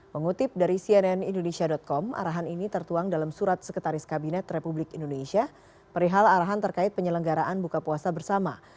mengutip dari cnn indonesia com arahan ini tertuang dalam surat sekretaris kabinet republik indonesia perihal arahan terkait penyelenggaraan buka puasa bersama